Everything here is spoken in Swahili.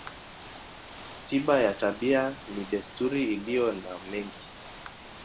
Tiba ya tabia ni desturi iliyo na mengi.